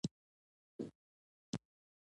متل د عربي ژبې له مثل سره اړیکه لري